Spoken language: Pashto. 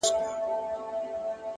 وخت د ارمانونو ازموینوونکی دی!